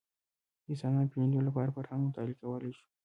د انسانانو پېژندلو لپاره فرهنګ مطالعه کولی شو